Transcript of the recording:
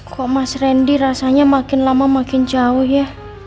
kok mas randy rasanya makin lama makin jauh ya